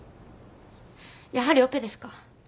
やはりオペですか？